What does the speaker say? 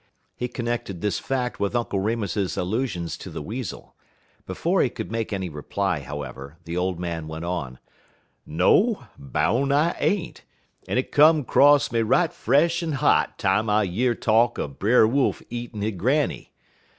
He connected this fact with Uncle Remus's allusions to the weasel. Before he could make any reply, however, the old man went on: "No, I boun' I ain't, en it come 'cross me right fresh en hot time I year talk er Brer Wolf eatin' he granny.